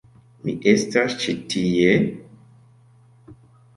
Mi estas ĉi tie...